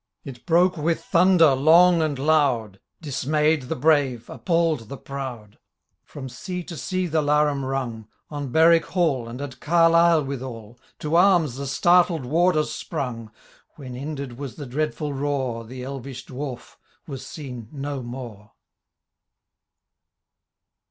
It broke, with thunder long and loud. Dismayed the brave, appaird the proua, . From sea to sea the larum rung ; On Berwick wall, and at Carlisle withal. To arms the startled warders sprung. When ended was the dreadful roar, The elvish dwarf was seen no more